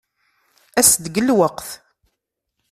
As-d deg lweqt.